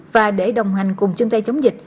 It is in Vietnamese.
và để đồng hành cùng chung tay chống dịch